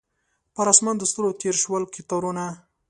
پر اسمان د ستورو تیر شول کتارونه